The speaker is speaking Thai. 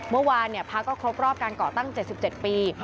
เมื่อวานพักก็ครบรอบการก่อตั้ง๗๗ปี